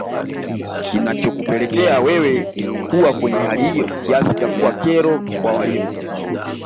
Kinachokupelekea wewe kuwa kwenye hali hiyo kiasi cha kuwa kero kwa walimu